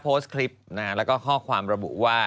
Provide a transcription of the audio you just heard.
โพสต์คลิปนะฮะแล้วก็ข้อความระบุว่า